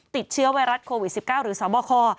ติดเชื้อไวรัสโควิด๑๙หรือสบค